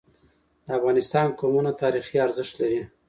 د افغانستان قومونه تاریخي ارزښت لري.